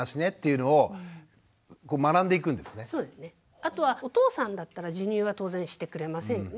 あとはお父さんだったら授乳は当然してくれませんよね。